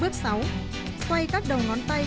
bước một mươi sử dụng khăn bông hoặc khăn bông